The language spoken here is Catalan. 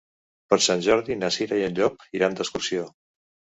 Per Sant Jordi na Cira i en Llop iran d'excursió.